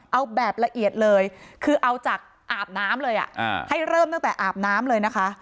เอาแบบละเอียดเลยคือเอาจากอาบน้ำเลยให้เริ่มตั้งแต่อาบน้ำเลยนะคะ